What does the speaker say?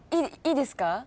いいですか？